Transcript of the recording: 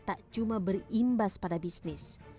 tak cuma berimbas pada bisnis